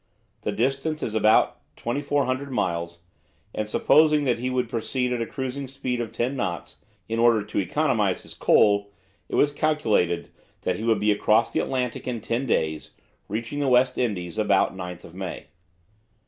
The distance is about 2400 miles, and supposing that he would proceed at a cruising speed of ten knots, in order to economize his coal, it was calculated that he would be across the Atlantic in ten days, reaching the West Indies about 9 May.